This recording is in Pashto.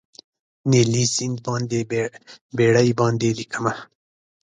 نیلي سیند باندې بیړۍ باندې لیکمه